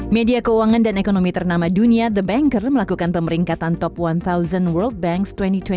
media keuangan dan ekonomi ternama dunia the banker melakukan pemeringkatan top satu world banks dua ribu dua puluh